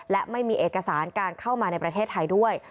และไม่มีเอกสารในประเทศไทยด้วย